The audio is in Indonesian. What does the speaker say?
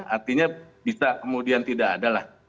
artinya bisa kemudian tidak adalah